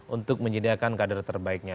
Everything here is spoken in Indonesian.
untuk menyediakan kader terbaiknya